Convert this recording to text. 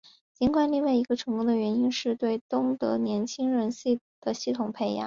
尽管另外一个成功的原因是对东德年轻人的系统培养。